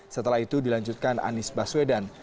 setelah itu dilanjutkan anies baswedan